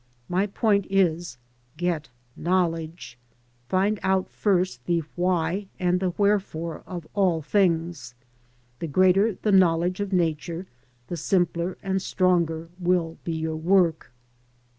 My point is — get knowledge. Find out first the why and the wherefore of all things. The greater the knowledge of Nature, the simpler and stronger will be your work.